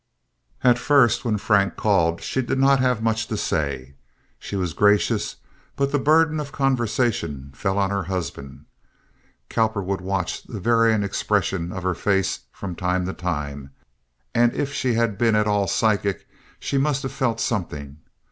At first, when Frank called, she did not have much to say. She was gracious, but the burden of conversation fell on her husband. Cowperwood watched the varying expression of her face from time to time, and if she had been at all psychic she must have felt something.